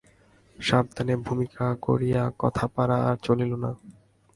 সাবধানে ভূমিকা করিয়া কথা পাড়া আর চলিল না।